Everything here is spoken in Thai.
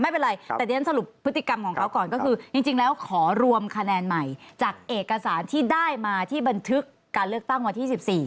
ไม่เป็นไรแต่เรียนสรุปพฤติกรรมของเขาก่อนก็คือจริงแล้วขอรวมคะแนนใหม่จากเอกสารที่ได้มาที่บันทึกการเลือกตั้งวันที่๑๔